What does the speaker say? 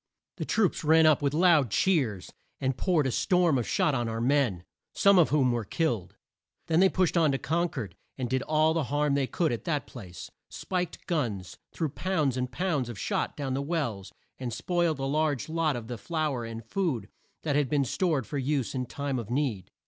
The troops ran up, with loud cheers, and poured a storm of shot on our men, some of whom were killed. Then they pushed on to Con cord, and did all the harm they could at that place: spiked guns, threw pounds and pounds of shot down the wells, and spoiled a large lot of flour and food that had been stored there for use in time of need.